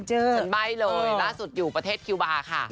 ฉันใบ้เลยล่าสุดอยู่ประเทศคิวบาร์ค่ะ